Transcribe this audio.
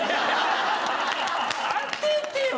当ててよ！